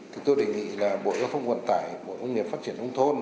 thì tôi đề nghị là bộ yêu thông quận tải bộ nguyên nghiệp phát triển đông thôn